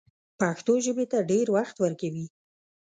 پښتو ژبې ته ډېر وخت ورکوي